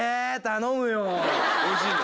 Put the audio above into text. おいしいの？